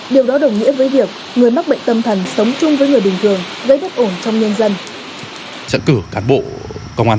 điều đó đồng nghĩa với việc người mắc bệnh tâm thần sống chung với người bình thường gây bất ổn trong nhân dân